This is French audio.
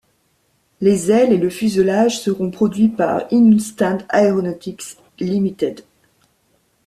Les ailes et le fuselage seront produits par Hindustan Aeronautics Ltd.